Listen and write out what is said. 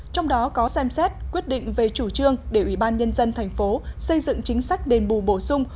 trong đó có xem xét quyết định về chủ trương để ủy ban nhân dân thành phố xây dựng chính sách đền bù bổ sung